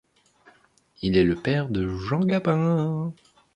Il est le père de Jean Gabin.